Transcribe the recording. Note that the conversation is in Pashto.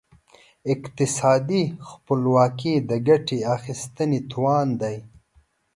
اقتصادي خپلواکي د ګټې اخیستنې توان دی.